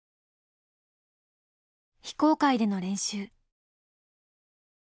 非公開での練習。